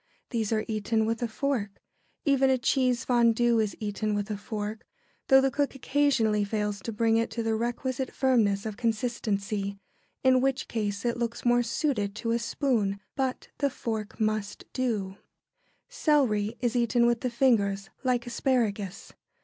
These are eaten with a fork. Even a cheese fondu is eaten with a fork, though the cook occasionally fails to bring it to the requisite firmness of consistency, in which case it looks more suited to a spoon; but the fork must do. [Sidenote: Celery.] Celery is eaten with the fingers, like asparagus. [Sidenote: Asparagus.